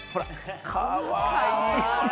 かわいい！